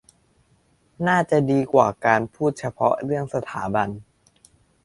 น่าจะดีกว่าการพูดเฉพาะเรื่องสถาบัน